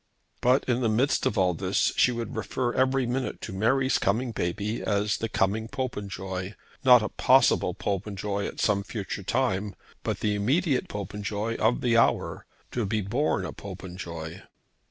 But in the midst of all this she would refer every minute to Mary's coming baby as the coming Popenjoy not a possible Popenjoy at some future time, but the immediate Popenjoy of the hour, to be born a Popenjoy!